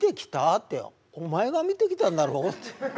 ってお前が見てきたんだろうって。